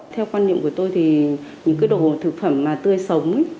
theo quan niệm của tôi thì những cái đồ thực phẩm mà tươi sống